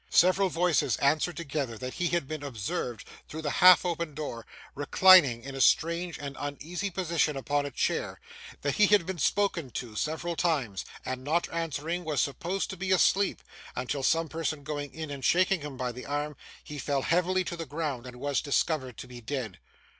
Several voices answered together, that he had been observed, through the half opened door, reclining in a strange and uneasy position upon a chair; that he had been spoken to several times, and not answering, was supposed to be asleep, until some person going in and shaking him by the arm, he fell heavily to the ground and was discovered to be dead.